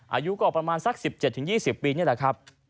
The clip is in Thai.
อายุก็ประมาณสัก๑๗๒๐ปีนี่แหละครับ